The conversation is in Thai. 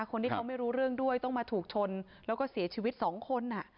คนที่เขาไม่รู้เรื่องด้วยต้องมาถูกชนแล้วก็เสียชีวิตสองคน